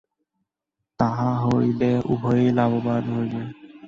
তাহা হইলে উভয়েই লাভবান হইবে।